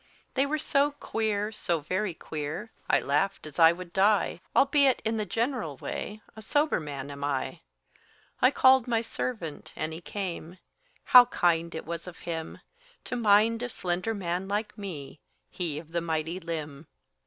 They were so queer, so very queer, I laughed as I would die; Albeit, in the general way, A sober man am I. I called my servant, and he came; How kind it was of him To mind a slender man like me, He of the mighty limb!